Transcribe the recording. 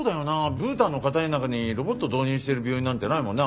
ブータンの片田舎にロボット導入してる病院なんてないもんな。